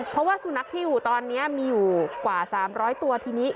เพราะว่าสุนัขที่อยู่ตอนนี้มีอยู่กว่า๓๐๐ตัวทีนี้